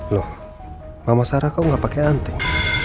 loh mama sarah kau gak pake anting